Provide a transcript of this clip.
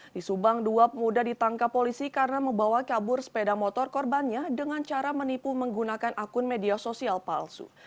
di subang dua pemuda ditangkap polisi karena membawa kabur sepeda motor korbannya dengan cara menipu menggunakan akun media sosial palsu